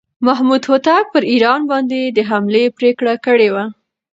محمود هوتک پر ایران باندې د حملې پرېکړه کړې وه.